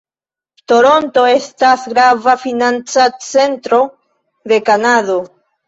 Toronto estas grava financa centro de Kanado.